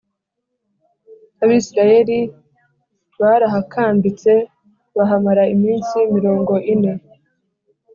Abisirayeli barahakambitse bahamara iminsi mirongo ine